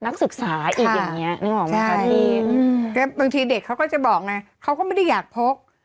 บางทีเด็กเขาก็จะบอกไงเขาก็ไม่ได้อยากพก